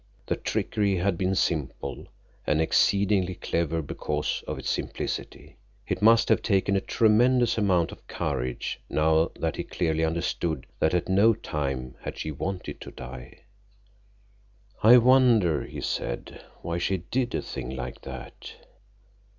The trickery had been simple, and exceedingly clever because of its simplicity; it must have taken a tremendous amount of courage, now that he clearly understood that at no time had she wanted to die. "I wonder," he said, "why she did a thing like that?"